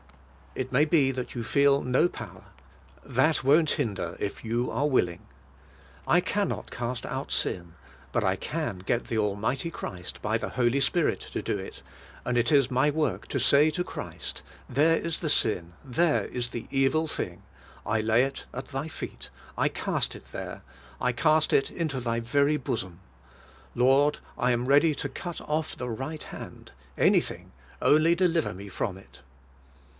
It may be that you feel no power; that won't hinder if j^ou are willing. I can not cast out sin, but I can get the Almighty Christ by the Holy Spirit to do it, and it is my work to say to Christ, ''There is the sin, there is the evil thing, I lay it at Thy feet, I cast it there, I cast it into Thy very bosom. Lord, I am ready to cut off the right hand, anything, only deliver me from it."